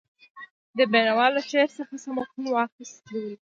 د بېنوا له شعر څخه څه مفهوم واخیست ولیکئ.